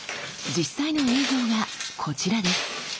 実際の映像がこちらです。